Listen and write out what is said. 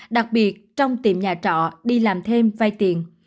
đặc biệt trong tiệm nhà trọ đi làm thêm vai tiền